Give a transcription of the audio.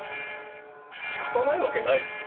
仕方ないわけないでしょ。